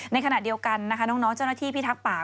ในขณะเดียวกันนะคะน้องเจ้าหน้าที่พิทักษ์ป่า